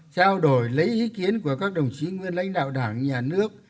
trao đổi lấy ý kiến của các đồng chí nguyên lãnh đạo đảng nhà nước